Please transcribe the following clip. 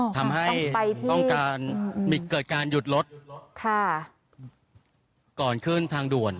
ทำให้ต้องการเกิดการหยุดรถก่อนขึ้นทางด่วน